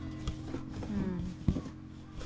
うん。